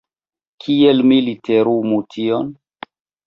Kiel mi literumu tion?